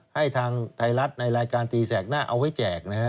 ให้ทางไทยรัฐในรายการตีแสกหน้าเอาไว้แจกนะฮะ